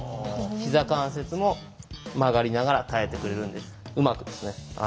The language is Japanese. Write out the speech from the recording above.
ひざ関節も曲がりながら耐えてくれるんでうまくですね